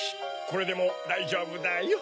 これでもうだいじょうぶだよ。